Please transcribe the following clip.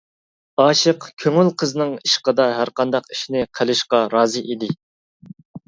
ئاشىق كۆڭۈل قىزنىڭ ئىشقىدا ھەرقانداق ئىشنى قىلىشقا رازى ئىدى.